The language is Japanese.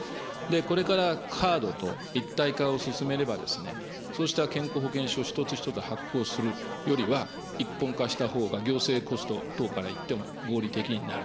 これからカードと一体化を進めれば、そうした健康保険証、一つ一つ発行するよりは、一本化したほうが、行政コスト等から言っても、合理的になる。